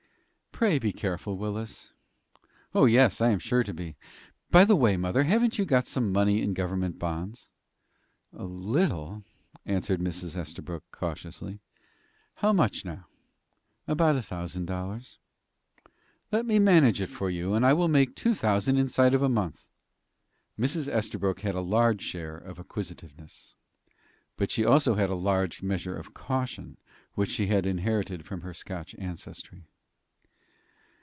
"Pray be careful, Willis." "Oh, yes. I am sure to be. By the way, mother, haven't you got some money in government bonds?" "A little," answered Mrs. Estabrook, cautiously. "How much, now?" "About a thousand dollars." "Let me manage it for you, and I will make it two thousand inside of a month." Mrs. Estabrook had a large share of acquisitiveness, but she had also a large measure of caution, which she had inherited from her Scotch ancestry.